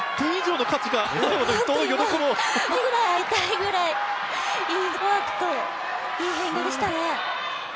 ５点ぐらいあげたいぐらい、いいフットワークと、いい返球でしたね。